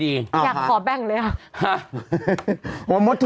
อยากขอแบ่งเลยค่ะ